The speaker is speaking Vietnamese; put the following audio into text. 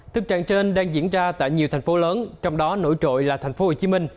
tức trạng trên đang diễn ra tại nhiều thành phố lớn trong đó nổi trội là tp hcm